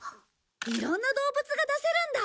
いろんな動物が出せるんだ。